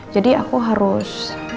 jadi aku harus